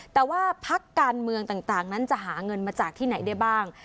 แต่ว่าพักการเมืองต่างนั้นจะหาเงินมาจากที่ไหนได้บ้าง